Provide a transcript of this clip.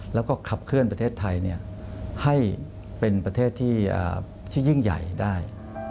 แล้วก็ขับเคลื่อนประเทศไทยให้เป็นประเทศที่ยิ่งใหญ่ได้